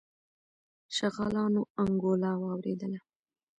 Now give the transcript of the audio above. شغالانو انګولا واورېدله.